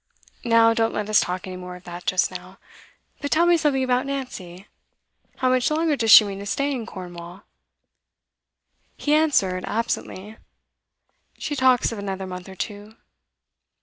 Now don't let us talk any more of that, just now; but tell me something about Nancy. How much longer does she mean to stay in Cornwall?' He answered absently. 'She talks of another month or two.